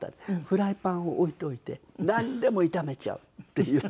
フライパンを置いといてなんでも炒めちゃうっていう。